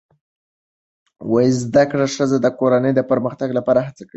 زده کړه ښځه د کورنۍ پرمختګ لپاره هڅې کوي